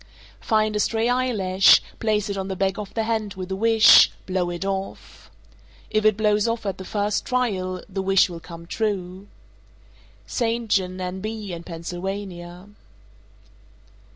_ 438. Find a stray eyelash; place it on the back of the hand with a wish; blow it off. If it blows off at the first trial, the wish will come true. _St. John, N.B., and Pennsylvania.